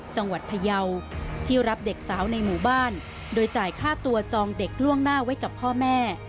จังหวัดพยาวที่รับเด็กสาวในหมู่บ้านโดยจ่ายค่าตัวจองเด็กล่วงหน้าไว้กับพ่อแม่